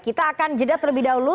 kita akan jeda terlebih dahulu